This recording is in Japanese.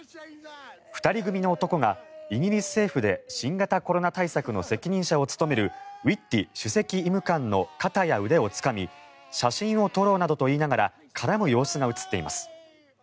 ２人組の男がイギリス政府で新型コロナ対策の責任者を務めるウィッティ主席医務官の肩や腕をつかみ写真を撮ろうなどと言いながら絡む様子が映っています。